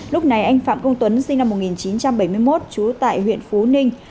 lúc này anh phạm công tuấn sinh năm một nghìn chín trăm bảy mươi một trú tại huyện phú ninh